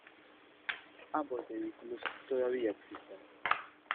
Ambos vehículos todavía existen.